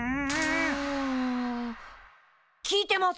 聞いてます！